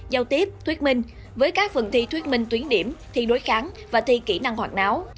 giao tiếp thuyết minh với các phần thi thuyết minh tuyến điểm thi đối kháng và thi kỹ năng hoạt náo